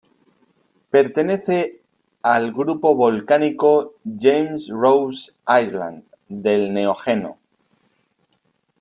Pertenece al grupo volcánico "James Ross Island" del neógeno.